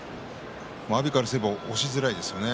阿炎からすれば押しづらいですね。